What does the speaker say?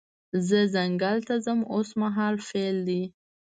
زه ځنګل ته ځم اوس مهال فعل دی.